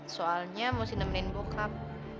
soalnya mesti nemenin bokap